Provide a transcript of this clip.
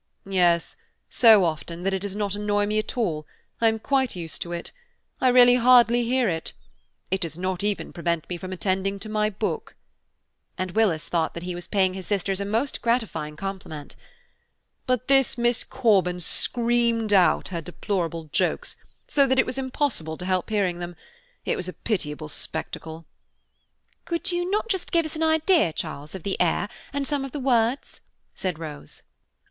"Yes, so often that it does not annoy me at all; I am quite used to it; I really hardly hear it. It does not even prevent me from attending to my book," and Willis thought that he was paying his sisters a most gratifying compliment, "but this Miss Corban screamed out her deplorable jokes, so that it was impossible to help hearing them. It was a pitiable spectacle!" "Could not you just give us an idea, Charles, of the air, and some of the words?" said Rose.